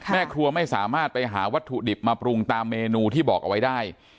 แม่ครัวไม่สามารถไปหาวัตถุดิบมาปรุงตามเมนูที่บอกเอาไว้ได้